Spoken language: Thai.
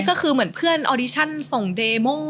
ก็คือเหมือนเพื่อนออดิชั่นส่งเดโม่